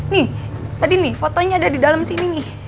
nih tadi nih fotonya ada di dalam sini nih